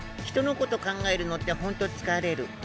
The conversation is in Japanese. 人のこと考えるのって本当疲れる。